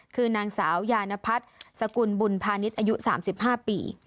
คือนางสาวยานพัฒน์สกุลบุญพาณิชย์อายุ๓๕ปี